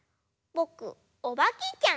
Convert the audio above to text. ぼくおばけちゃん！